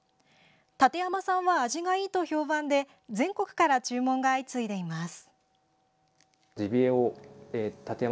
館山産は味がいいと評判で全国から注文が相次いでいます。